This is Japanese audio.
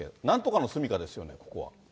なんとかの住みかですよね、ここは。